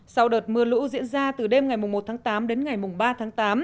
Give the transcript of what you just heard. sau đợt mưa lũ diễn ra từ đêm ngày một tháng tám đến ngày ba tháng tám